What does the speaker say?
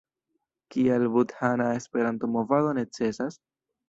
Kial budhana Esperanto-movado necesas?